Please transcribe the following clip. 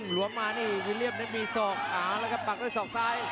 หลวมมานี่วิเลี่ยมมีศอกอ่าละครับปักด้วยศอกซ้าย